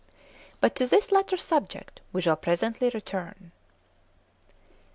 But to this latter subject we shall presently return.